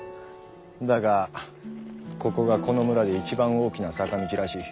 だがここがこの村で一番大きな「坂道」らしい。